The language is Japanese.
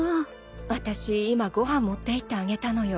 私今ご飯持っていってあげたのよ。